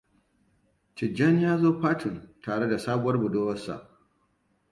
Tijjani ya zo fatin tare da sabuwar budurwarsa.